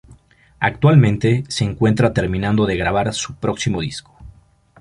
Actualmente se encuentra terminando de grabar su próximo disco.